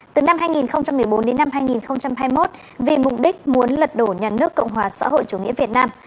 từ năm hai nghìn một mươi bốn đến năm hai nghìn hai mươi một vì mục đích muốn lật đổ nhà nước cộng hòa xã hội chủ nghĩa việt nam